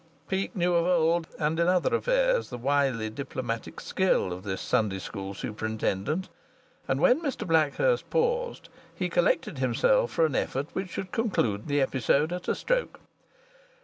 Peake knew of old, and in other affairs, the wily diplomatic skill of this Sunday School superintendent, and when Mr Blackhurst paused he collected himself for an effort which should conclude the episode at a stroke.